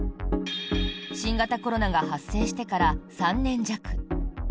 新型コロナが発生してから３年弱。